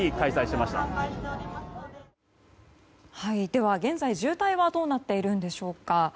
では、現在渋滞はどうなっているのでしょうか。